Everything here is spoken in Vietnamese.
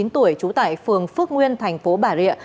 ba mươi chín tuổi trú tại phường phước nguyên thành phố bà rịa